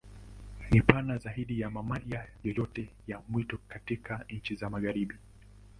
Ni pana zaidi ya mamalia yoyote ya mwitu katika nchi za Magharibi.